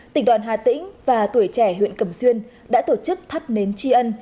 tỉnh đoàn hà tĩnh và tuổi trẻ huyện cầm xuyên đã tổ chức thắp nến tri ân